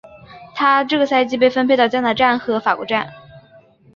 她这个赛季被分配到加拿大站和法国站。